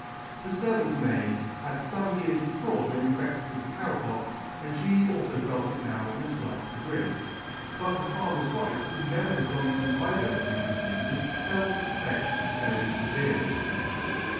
The fervant maid had fome years before been infedted with the Cow Pox, and flie.alfo felt it now in a flight degree. But the farmer's wife, who never had gone through either of thefe difeafes, felt its effedts very feverely.